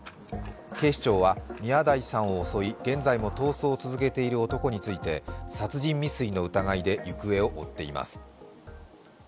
警視庁は宮台さんを襲い現在も逃走を続けている男について殺人未遂の疑いで行方を追っています。